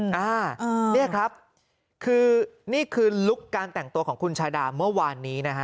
นี่ครับคือนี่คือลุคการแต่งตัวของคุณชาดาเมื่อวานนี้นะฮะ